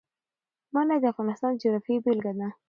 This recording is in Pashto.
منی د افغانستان د جغرافیې بېلګه ده.